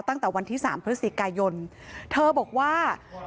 ตั้งแต่วันที่สตม์ผู้หญิงสามเพศรีกายน